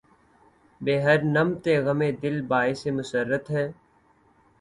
بہ ہر نمط غمِ دل باعثِ مسرت ہے